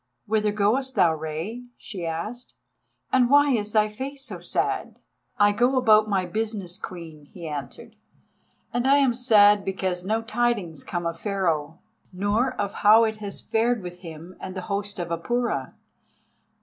"Whither goest thou, Rei?" she asked, "and why is thy face so sad?" "I go about my business, Queen," he answered, "and I am sad because no tidings come of Pharaoh, nor of how it has fared with him and the host of the Apura."